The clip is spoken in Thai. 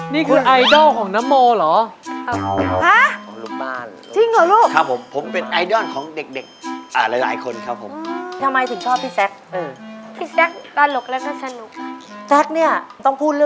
นี่คือไอดอลของนโมเหรอ